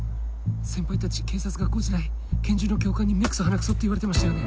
先輩たち警察学校時代拳銃の教官に目クソ鼻クソって言われてましたよね。